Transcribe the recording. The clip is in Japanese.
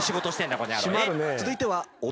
この野郎。